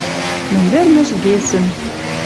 Мӹндӹрнӹш ГЭС-ӹн